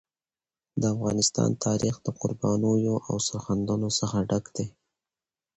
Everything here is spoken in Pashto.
د افغانستان تاریخ د قربانیو او سرښندنو څخه ډک دی.